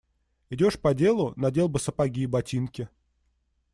Идешь по делу – надел бы сапоги, ботинки.